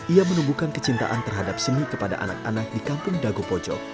ia menumbuhkan kecintaan terhadap seni kepada anak anak di kampung dago pojok